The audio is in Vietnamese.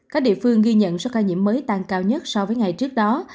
các địa phương ghi nhận số ca nhiễm mới tăng cao nhất so với ngày trước đó